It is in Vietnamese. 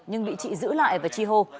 nhưng bị chị giữ lại và chi hô